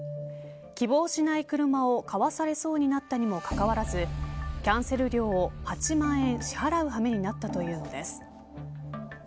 希望しない車を買わされそうになったにもかかわらずキャンセル料を８万円支払うはめになったというんです。